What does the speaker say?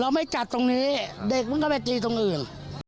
ไม่จัดตรงนี้เด็กมันก็ไปตีตรงอื่น